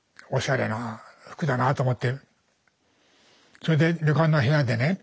それで旅館の部屋でね